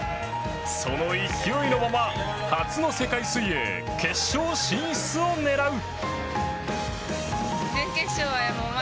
その勢いのまま初の世界水泳決勝進出を狙う。